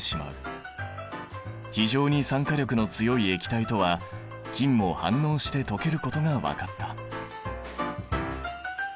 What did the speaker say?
非常に酸化力の強い液体とは金も反応して溶けることが分かった。